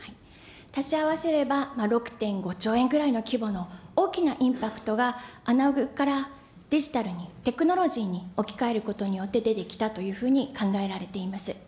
足し合わせれば６．５兆円ぐらいの規模の大きなインパクトがアナログからデジタルにテクノロジーに置き換えることによって出てきたというふうに考えられています。